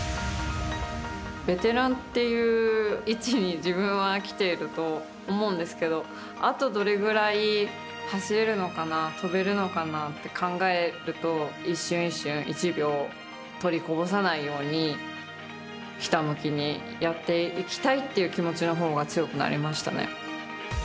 ベテランっていう位置に自分はきていると思うんですけどあとどれぐらい走れるのかな跳べるのかなって考えると一瞬一瞬１秒取りこぼさないようにひたむきにやっていきたいという気持ちのほうが強くなりましたね。